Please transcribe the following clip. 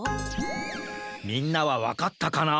みんなはわかったかな？